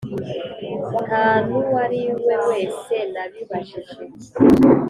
nta nuwariwe wese nabibajije.